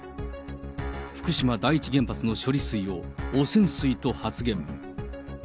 福島第一原発の処理水を汚染水と発言。